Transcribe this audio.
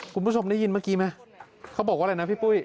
คุณผู้ชมได้ยินเมื่อกี้ไหมเขาบอกว่าอะไรนะพี่ปุ้ย